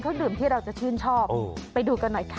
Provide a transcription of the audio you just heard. จะเป็นข้อดื่มที่เราจะชื่นชอบไปดูกันหน่อยค่ะ